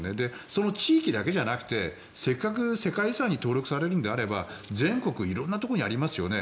その地域だけじゃなくてせっかく世界遺産に登録されるのであれば全国色んなところにありますよね。